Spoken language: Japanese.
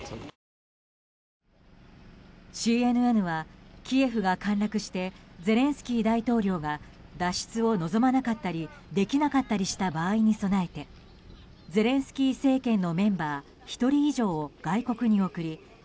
ＣＮＮはキエフが陥落してゼレンスキー大統領が脱出を望まなかったりできなかったりした場合に備えてゼレンスキー政権のメンバー１人以上を外国に送り